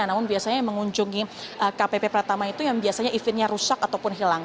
namun biasanya yang mengunjungi kpp pertama itu yang biasanya eventnya rusak ataupun hilang